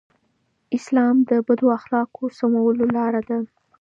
اسلام د بدو اخلاقو د سمولو لاره ده.